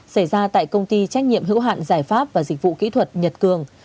xảy ra tại công ty trách nhiệm hữu hạn giải pháp và dịch vụ kỹ thuật nhật cường